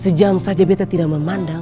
sejam saja beta tidak memandang